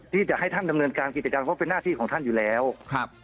ที่จะให้ท่านดำเนินการกิจการเพราะเป็นหน้าที่ของท่านอยู่แล้วครับ